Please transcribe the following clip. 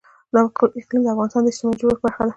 اقلیم د افغانستان د اجتماعي جوړښت برخه ده.